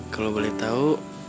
kalo boleh tau